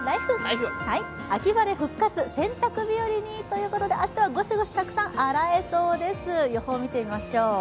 秋晴れ復活、洗濯日和にということで、明日はゴシゴシたくさん洗えそうです、予報見てみましょう